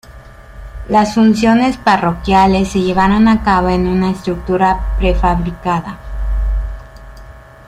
Las funciones parroquiales se llevaron a cabo en una estructura prefabricada.